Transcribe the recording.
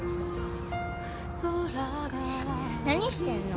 何してんの？